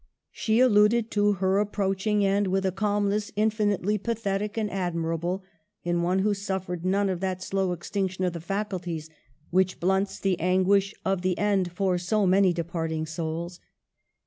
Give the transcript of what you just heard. She alluded to her approaching end with a calmness infinitely pathetic and admirable in one who suffered none of that slow extinction of the faculties which blunts the anguish of the end for so many departing souls.